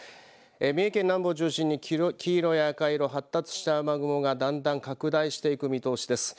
三重県南部を中心に黄色や赤色、発達した雨雲がだんだん拡大していく見通しです。